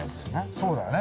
そうだね。